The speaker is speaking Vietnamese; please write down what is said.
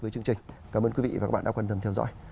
với chương trình cảm ơn quý vị và các bạn đã quan tâm theo dõi